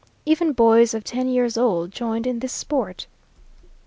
Even boys of ten years old joined in this sport.